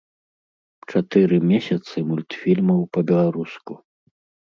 Чатыры месяцы мультфільмаў па-беларуску!